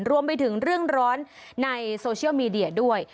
รวมไปถึงเรื่องร้อนในโซเชียลมีเดียด้วย